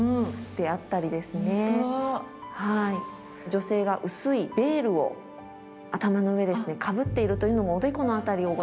女性が薄いベールを頭の上ですねかぶっているというのもおでこの辺りをご覧頂くと。